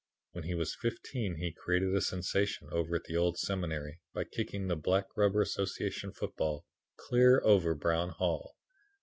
When he was fifteen he created a sensation over at the Old Seminary by kicking the black rubber Association football clear over Brown Hall.